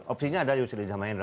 opsinya ada yusri izzah mahendra